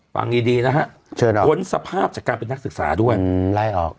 ฟังดีนะฮะเชิญพ้นสภาพจากการเป็นนักศึกษาด้วยไล่ออก